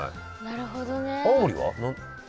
なるほどね。